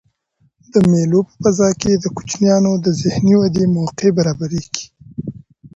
د مېلو په فضا کښي د کوچنيانو د ذهني ودي موقع برابریږي.